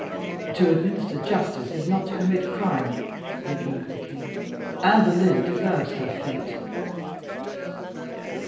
"To administer justice is not to commit crime," rejoined the king. "Anne Boleyn deserves her fate."